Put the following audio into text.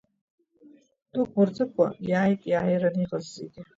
Дук мырҵыкәа иааит иааираны иҟаз зегьы.